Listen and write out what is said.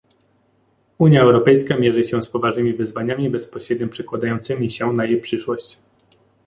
Unia Europejska mierzy się z poważnymi wyzwaniami bezpośrednio przekładającymi się na jej przyszłość